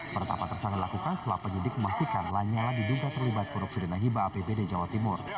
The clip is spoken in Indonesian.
penetapan tersangka dilakukan setelah penyidik memastikan lanyala diduga terlibat korupsi dana hibah apbd jawa timur